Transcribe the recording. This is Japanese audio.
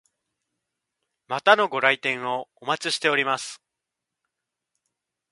またのご来店をお待ちしております。